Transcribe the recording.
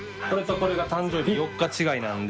これが誕生日４日違いなので。